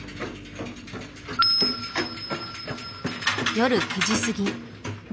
夜９時過ぎ。